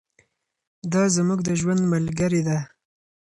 دا زموږ د ژوند ملګرې ده.